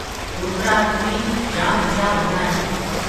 ڏوڪرآ آدمي جآم هُشآر هوندآ هينٚ۔